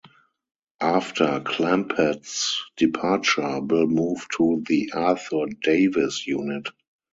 After Clampett's departure, Bill moved to the Arthur Davis unit.